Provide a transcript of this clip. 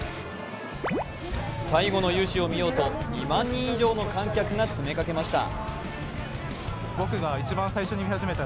最後の雄姿を見ようと、２万人以上の観客が詰めかけました。